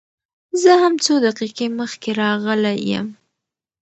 زه هم څو دقيقې مخکې راغلى يم.